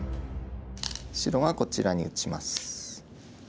白がこちらに打ちます。